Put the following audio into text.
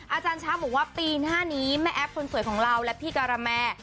อาจารย์ช้างบอกว่าปีหน้านี้แม่แอฟคนสวยของเราและพี่การาแม